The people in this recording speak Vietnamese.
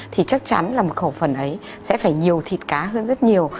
thì chắc chắn là một khẩu phần ấy sẽ phải nhiều thịt cá hơn rất nhiều